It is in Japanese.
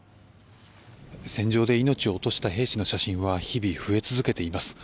戦場で命を落とした兵士の写真は日々増え続けています。